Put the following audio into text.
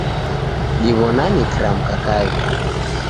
Diw'onane kiramka kaw'i.